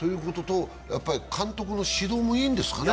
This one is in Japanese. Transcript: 監督の指導もいいんですかね？